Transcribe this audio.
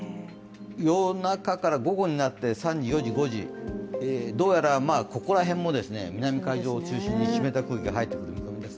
夜中から３時、４時、５時、どうやら、ここら辺も南海上を中心に湿った空気が入ってきます。